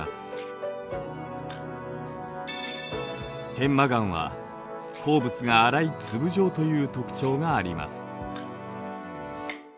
片麻岩は鉱物が粗い粒状という特徴があります。